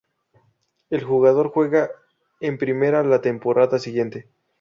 El ganador juega en Primera la temporada siguiente.